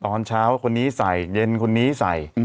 ตอนเช้าคนนี้ใส่เย็นคนนี้ใส่